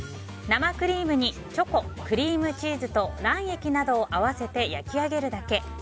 生クリームにチョコクリームチーズと卵液などを合わせて焼き上げるだけ。